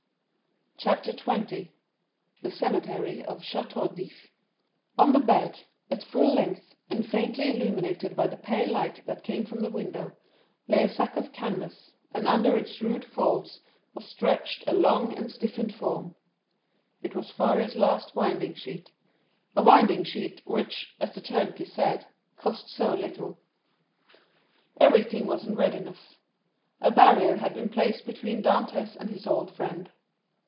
Chapter 20. The Cemetery of the Château d'If On the bed, at full length, and faintly illuminated by the pale light that came from the window, lay a sack of canvas, and under its rude folds was stretched a long and stiffened form; it was Faria's last winding sheet,—a winding sheet which, as the turnkey said, cost so little. Everything was in readiness. A barrier had been placed between Dantès and his old friend.